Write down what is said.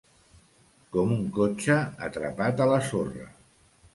Com un cotxe atrapat a la sorra.